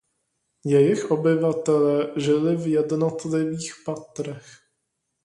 Jejich obyvatelé žili v jednotlivých patrech.